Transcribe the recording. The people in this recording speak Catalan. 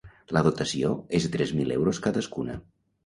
La dotació és de tres mil euros cadascuna.